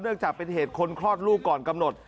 จากเป็นเหตุคนคลอดลูกก่อนกำหนด